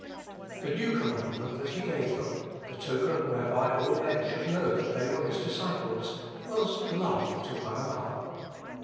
The new commandment that He gave them, the token whereby all men should know that they were His disciples, was love to one another.